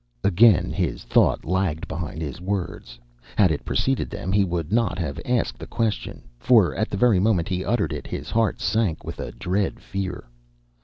Again his thought lagged behind his words. Had it preceded them, he would not have asked the question, for, at the very moment he uttered it, his heart sank with a dread fear.